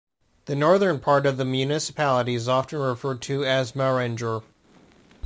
The northern part of the municipality is often referred to as Mauranger.